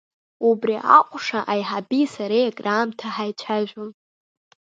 Убри аҟәша аиҳаби сареи акраамҭа ҳаицәажәон.